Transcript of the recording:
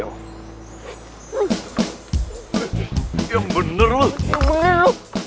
eh yang bener lo